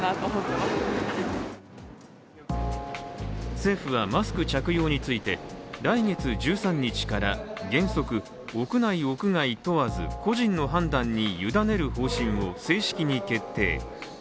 政府はマスク着用について来月１３日から原則、屋内・屋外問わず、個人の判断に委ねる方針を正式に決定。